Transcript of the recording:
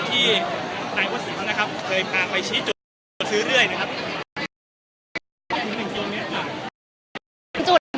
ที่ในวันสินแล้วนะครับเคยพาไปชี้จุดซื้อเรื่อยนะครับ